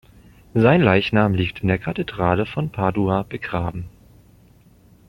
Sein Leichnam liegt in der Kathedrale von Padua begraben.